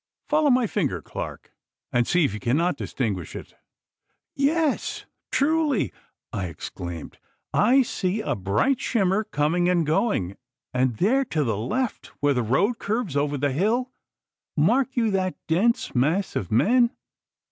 Follow my finger, Clarke, and see if you cannot distinguish it.' 'Yes, truly,' I exclaimed, 'I see a bright shimmer coming and going. And there to the left, where the road curves over the hill, mark you that dense mass of men!